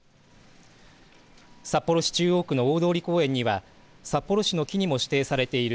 札幌市中央区の大通公園には札幌市の木にも指定されている